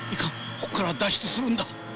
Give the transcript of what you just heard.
ここから脱出するんだ。